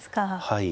はい。